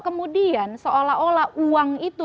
kemudian seolah olah uang itu